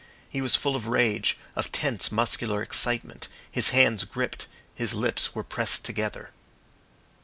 He was full of rage, of tense muscular excitement, his hands gripped, his lips were pressed together.